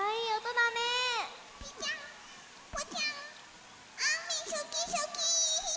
あめすきすき！